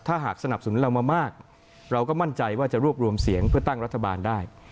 ถ้าหากสนับสนุนเรามามากเราก็มั่นใจว่าจะรวบรวมเสียงเพื่อตั้งรัฐบาลได้